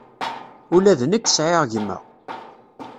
Ula d nekk sɛiɣ gma.